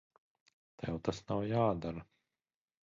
Tev tas nav jādara.